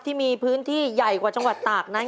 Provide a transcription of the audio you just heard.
ที่มีพื้นที่ใหญ่กว่าจังหวัดตากนั้น